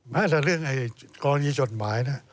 แม้ถ้าเรื่องกรณีจดหมายนะ